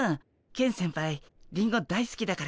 ケン先輩リンゴ大すきだから。